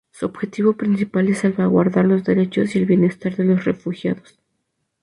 Su objetivo principal es salvaguardar los derechos y el bienestar de los refugiados.